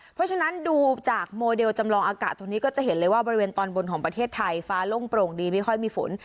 เพราะฉะนั้นดูจากโมเดลจำลองอากาศตรงนี้ก็จะเห็นเลยว่าบริเวณตอนบนของประเทศไทยฟ้าโล่งโปร่งดีไม่ค่อยมีฝน